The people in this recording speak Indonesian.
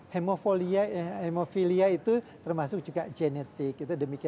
hemofilia itu termasuk juga genetik